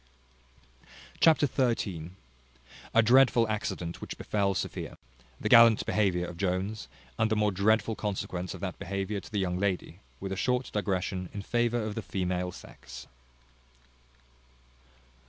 Chapter xiii. A dreadful accident which befel Sophia. The gallant behaviour of Jones, and the more dreadful consequence of that behaviour to the young lady; with a short digression in favour of the female sex.